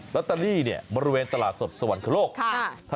แล้วตอนนี้เนี่ยบริเวณตลาดสดสวรรคโลกค่ะ